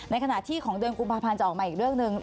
ในขณะที่ของเดือนกุมภาพันธ์จะออกมาอีกเรื่องหนึ่ง